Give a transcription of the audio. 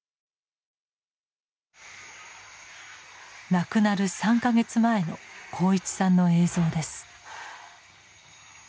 亡くなる３か月前の鋼一さんの映像です。